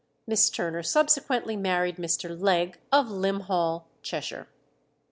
Miss Turner subsequently married Mr. Legh of Lym Hall, Cheshire.